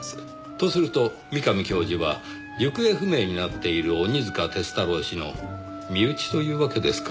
とすると三上教授は行方不明になっている鬼束鐵太郎氏の身内というわけですか。